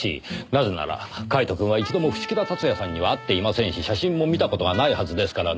なぜならカイトくんは一度も伏木田辰也さんには会っていませんし写真も見た事がないはずですからね